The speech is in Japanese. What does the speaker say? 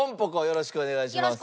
よろしくお願いします。